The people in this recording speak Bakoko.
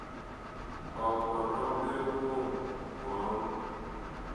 Ɔ kɔnɔg ɓe woŋ mɔɔn.